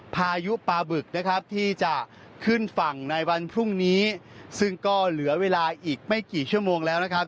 พายุปลาบึกนะครับที่จะขึ้นฝั่งในวันพรุ่งนี้ซึ่งก็เหลือเวลาอีกไม่กี่ชั่วโมงแล้วนะครับ